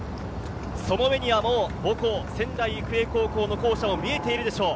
その目には母校・仙台育英高校の校舎も見えているでしょう。